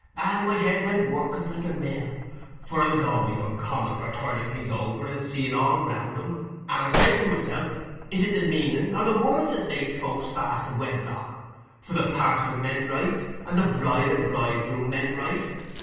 and my head went working like a mill, for I was allays uncommon for turning things over and seeing all round 'em; and I says to myself, "Is't the meanin' or the words as makes folks fast i' wedlock?" For the parson meant right, and the bride and bridegroom meant right.